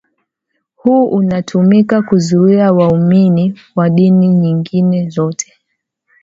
huu unatumika kuzuia waumini wa dini nyingine zote